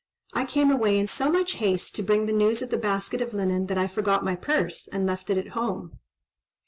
I came away in so much haste, to bring the news of the basket of linen, that I forgot my purse, and left it at home."